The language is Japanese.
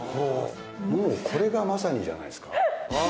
もうこれがまさにじゃないですか。